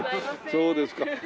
そうですか。